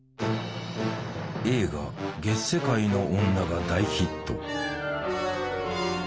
映画「月世界の女」が大ヒット。